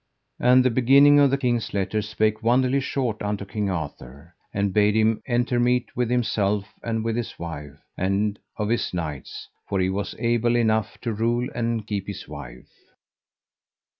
And the beginning of the king's letters spake wonderly short unto King Arthur, and bade him entermete with himself and with his wife, and of his knights; for he was able enough to rule and keep his wife.